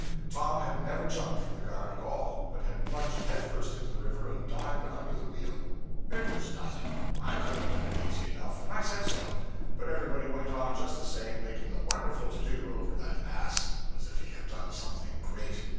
Tom had never jumped for the guard at all, but had plunged head first into the river and dived under the wheel. It was nothing; I could have done it easy enough, and I said so; but everybody went on just the same, making a wonderful to do over that ass, as if he had done something great.